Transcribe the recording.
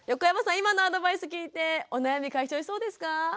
今のアドバイス聞いてお悩み解消しそうですか？